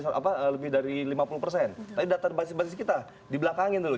tapi data basis basis kita di belakangin dulu